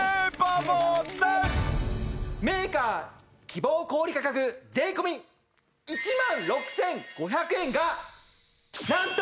メーカー希望小売価格税込１万６５００円がなんと。